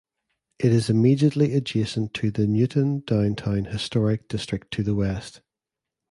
It is immediately adjacent to the Newton Downtown Historic District to the west.